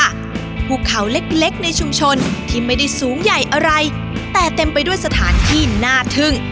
ภูเขาเล็กเล็กในชุมชนที่ไม่ได้สูงใหญ่อะไรแต่เต็มไปด้วยสถานที่น่าทึ่ง